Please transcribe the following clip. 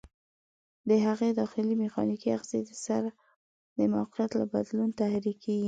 د هغې داخلي میخانیکي آخذې د سر د موقعیت له بدلون تحریکېږي.